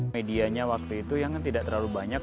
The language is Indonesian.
medianya waktu itu yang tidak terlalu banyak